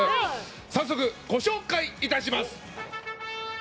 早速ご紹介いたします。